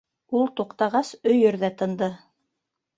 Ул туҡтағас, өйөр ҙә тынды.